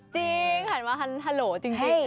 จริงหันมาฮันฮัลโหลจริงนะคะ